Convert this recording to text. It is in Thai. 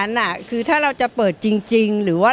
น่ะคือถ้าเราจะเปิดจริงหรือว่า